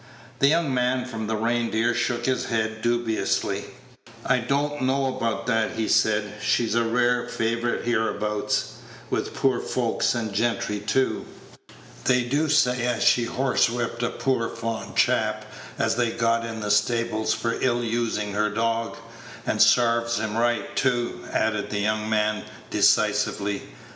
The young man from the "Reindeer" shook his head dubiously. "I doant know about that," he said; "she's a rare favorite hereabouts, with poor folks and gentry too. They do say as she horsewhipped a poor fond chap as they'd got in the stables for ill usin' her dog; and sarve him right too," added the young man, decisively.